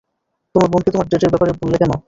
তোমার বোনকে তোমার ডেটের ব্যাপারে বললে কেন?